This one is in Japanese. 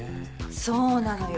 そうなのよ。